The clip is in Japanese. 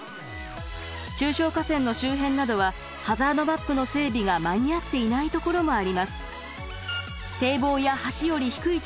中小河川の周辺などはハザードマップの整備が間に合っていないところもあります。